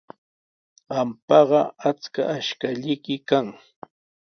Qampaqa achka ashkallayki kan.